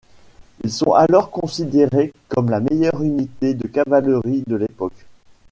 Ils sont alors considérés comme la meilleure unité de cavalerie de l'époque.